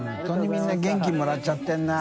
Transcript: みんな元気もらっちゃってるな。